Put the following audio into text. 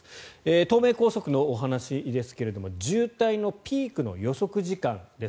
東名高速のお話ですが渋滞のピークの予測時間です。